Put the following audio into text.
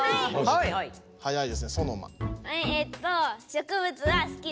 はいはいはい。